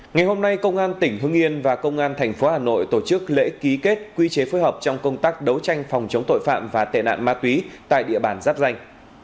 ngày hôm nay công an tỉnh hưng yên và công an tp hà nội tổ chức lễ ký kết quy chế phối hợp trong công tác đấu tranh phòng chống tội phạm và tệ nạn ma túy tại địa bàn giáp danh